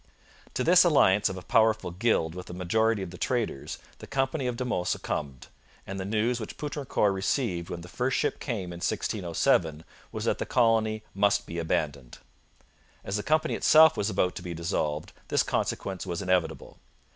To this alliance of a powerful guild with a majority of the traders, the company of De Monts succumbed, and the news which Poutrincourt received when the first ship came in 1607 was that the colony must be abandoned. As the company itself was about to be dissolved, this consequence was inevitable.